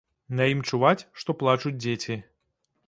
На ім чуваць, што плачуць дзеці.